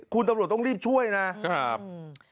คุณตำรวจต้องรีบช่วยนะครับ